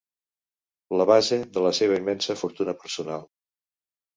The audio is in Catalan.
La base de la seva immensa fortuna personal.